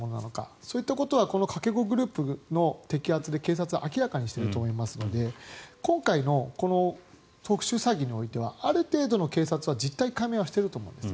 そういったことはこのかけ子グループの摘発で警察は明らかにしていると思いますので今回のこの特殊詐欺においてはある程度の、警察は実態解明はしていると思うんです。